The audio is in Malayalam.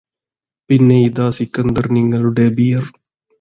പിന്നെ ഇതാ സിക്കന്ദർ നിങ്ങളുടെ ബിയർ